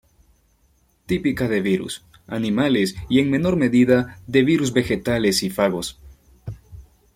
Típica de virus, animales y en menor medida de virus vegetales y fagos.